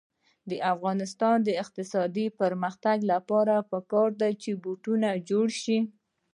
د افغانستان د اقتصادي پرمختګ لپاره پکار ده چې بوټان جوړ شي.